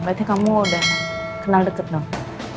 berarti kamu udah kenal deket dong